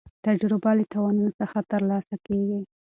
تجربه له تاوانونو څخه ترلاسه کېږي.